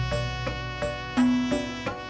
tidak ada yang bisa diberikan